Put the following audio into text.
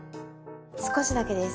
少しだけです。